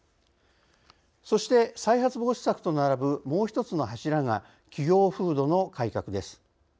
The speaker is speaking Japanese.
そして、再発防止策と並ぶもう１つの柱が企業風土の改革です。